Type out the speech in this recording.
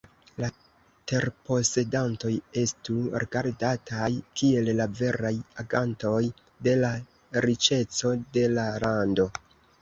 La terposedantoj estu rigardataj kiel la veraj agantoj de la riĉeco de la lando.